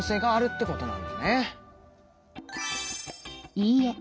いいえ。